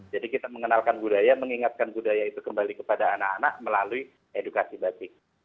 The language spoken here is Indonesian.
jadi kita mengenalkan budaya mengingatkan budaya itu kembali kepada anak anak melalui edukasi batik